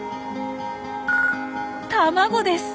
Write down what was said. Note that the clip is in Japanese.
卵です！